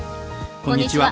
こんにちは。